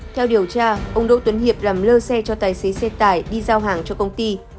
theo điều tra ông đỗ tuấn hiệp làm lơ xe cho tài xế xe tải đi giao hàng cho công ty